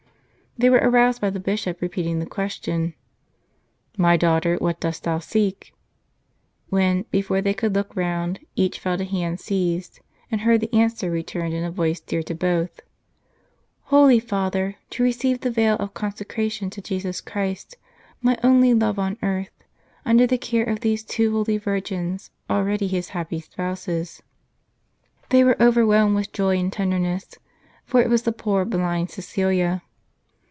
They were aroused by the bishop repeating the question :" My daughter, what dost thou seek ?" when, before they could look round, each felt a hand seized, and heard the answer returned in a voice dear to both :" Holy father, to receive the veil of consecration to Jesus Christ, my only love on earth, under the care of these two holy virgins, already His happy spouses." They were overwhelmed with joy and tenderness ; for it was the poor blind Cecilia.